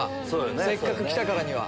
せっかく来たからには。